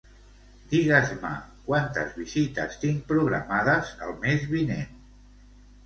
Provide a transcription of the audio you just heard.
Digues-me quantes visites tinc programades el mes vinent.